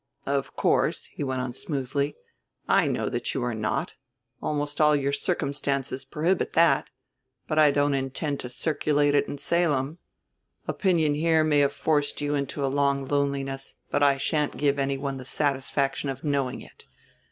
"Of course," he went on smoothly, "I know that you are not, almost all your circumstances prohibit that. But I don't intend to circulate it in Salem. Opinion here may have forced you into a long loneliness, but I shan't give anyone the satisfaction of knowing it.